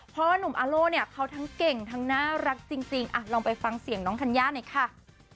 เพราะว่านุ่มอาโล่เนี่ยเขาทั้งเก่งทั้งน่ารักจริงลองไปฟังเสียงน้องธัญญาหน่อยค่ะ